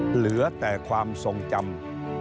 เหลือแต่ความทรงจำ